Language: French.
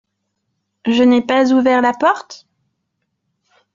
Je n’ai pas ouvert la porte ?